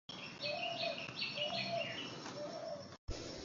প্রতিবারের মতো এবারও আছে নানা রঙের মুখোশ, পাখি, ঘোড়া, জিরাফসহ নানা প্রতিকৃতি।